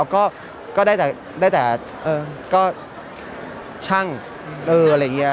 อ๋อก็ก็ได้แต่ได้แต่เออก็ช่างเอออะไรอย่างเงี้ย